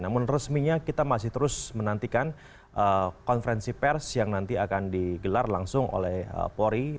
namun resminya kita masih terus menantikan konferensi pers yang nanti akan digelar langsung oleh polri